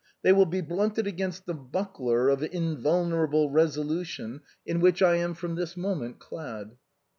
They will be blunted against the buckler of invulnerable resolution in which I am from this moment clad."